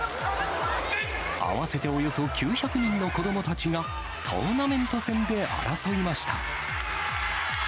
合わせておよそ９００人の子どもたちがトーナメント戦で争いました。